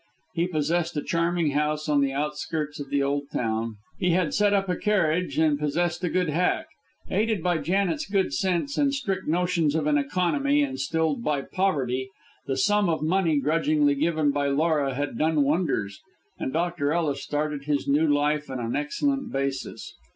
He possessed a charming house on the outskirts of the old town; he had set up a carriage, and possessed a good hack. Aided by Janet's good sense and strict notions of an economy instilled by poverty, the sum of money grudgingly given by Laura had done wonders, and Dr. Ellis started his new life on an excellent basis.